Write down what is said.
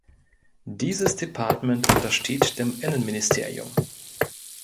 Dieses Department untersteht dem Innenministerium.